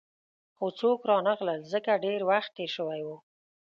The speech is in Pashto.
خو څوک رانغلل، ځکه ډېر وخت تېر شوی وو.